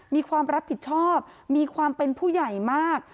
มีความรับผิดชอบมีความเป็นผู้ใหญ่มาก